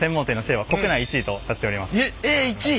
えっ１位！？